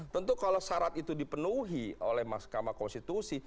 tentu kalau syarat itu dipenuhi oleh mahkamah konstitusi